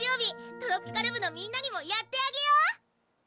トロピカる部のみんなにもやってあげよう！